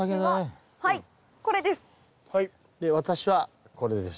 で私はこれです。